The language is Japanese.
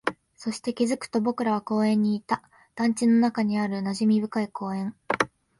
そして、気づくと僕らは公園にいた、団地の中にある馴染み深い公園